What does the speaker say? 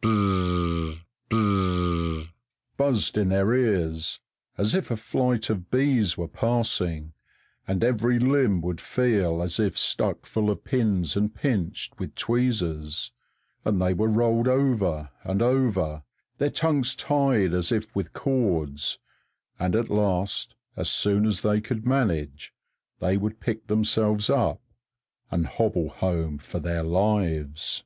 whir! whir!_ buzzed in their ears, as if a flight of bees were passing, and every limb would feel as if stuck full of pins and pinched with tweezers, and they were rolled over and over, their tongues tied as if with cords, and at last, as soon as they could manage, they would pick themselves up, and hobble home for their lives.